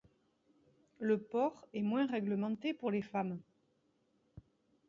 Le port est moins réglementé pour les femmes.